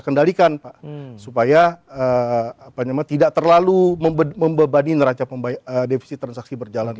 kendalikan pak supaya eh apa nyaman tidak terlalu membebani neraca pembayar defisi transaksi berjalan